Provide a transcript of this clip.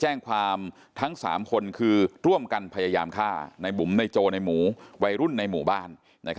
แจ้งความทั้ง๓คนคือร่วมกันพยายามฆ่าในบุ๋มในโจในหมูวัยรุ่นในหมู่บ้าน